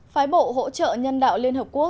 phái bộ hỗ trợ nhân đạo liên hợp quốc